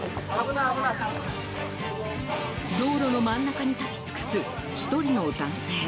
道路の真ん中に立ち尽くす１人の男性。